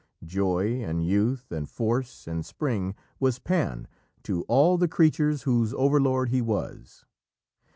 Joy, and youth, and force, and spring, was Pan to all the creatures whose overlord he was.